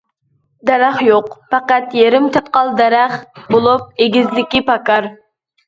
دەرەخ يوق، پەقەت يېرىم چاتقال دەرەخ بولۇپ، ئېگىزلىكى پاكار.